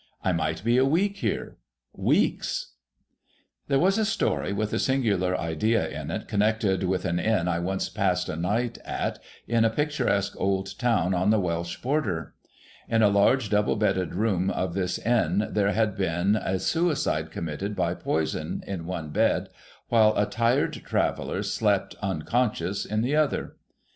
I might be a week here, — weeks ! There was a story wuth a singular idea in it, connected with an Inn I once passed a night at in a picturesque old town on the Welsh border. In a large double bedded room of this Inn there had been a suicide committed by poison, in one bed, while a tired loo THE HOLLY TREE traveller slept unconscious in the other.